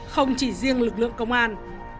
không chỉ riêng lực lượng công an